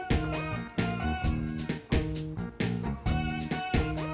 ibu ini siapa itu